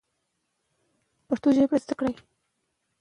پښتو ژبه په ډیجیټل نړۍ کې د ټولو پښتنو لپاره اسانه کړئ.